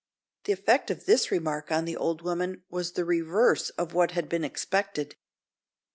The effect of this remark on the old woman, was the reverse of what had been expected.